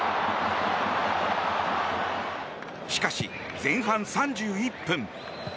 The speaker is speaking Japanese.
しかし、前半３１分。